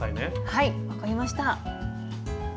はい分かりました。